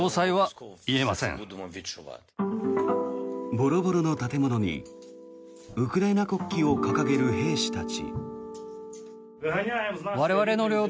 ボロボロの建物にウクライナ国旗を掲げる兵士たち。